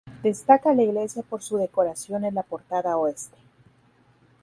Destaca la iglesia por su decoración en la portada oeste.